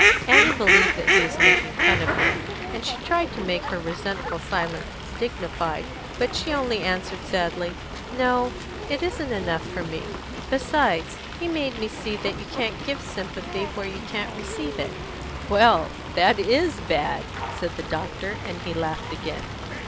_ Annie believed that he was making fun of her, and she tried to make her resentful silence dignified; but she only answered sadly: "No; it isn't enough for me. Besides, he made me see that you can't give sympathy where you can't receive it." "Well, that is bad," said the doctor, and he laughed again.